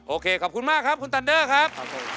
โอเคขอบคุณมากครับคุณตันเดอร์ครับผม